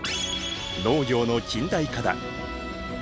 農業の近代化だ。